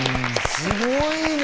すごいね。